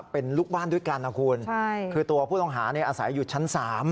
เป็นลูกบ้านด้วยกันนะคุณคือตัวผู้ต้องหาอาศัยอยู่ชั้น๓